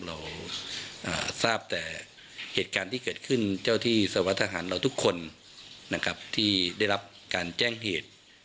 เราทราบแต่เหตุการณ์ที่เกิดขึ้นเจ้าที่สวัสทหารเราทุกคนนะครับที่ได้รับการแจ้งเหตุ